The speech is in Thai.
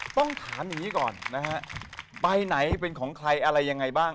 ต้องถามอย่างนี้ก่อนนะฮะไปไหนเป็นของใครอะไรยังไงบ้าง